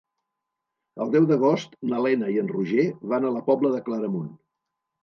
El deu d'agost na Lena i en Roger van a la Pobla de Claramunt.